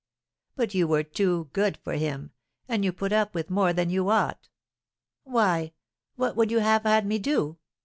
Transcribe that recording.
But you were too good for him, and you put up with more than you ought!" "Why, what would you have had me do?